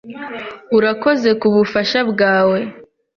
"Urakoze kubufasha bwawe